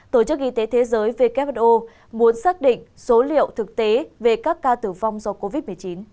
tổ chức y tế thế giới who muốn xác định số liệu thực tế về các ca tử vong do covid một mươi chín